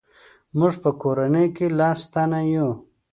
موږ په کورنۍ کې لس تنه یو.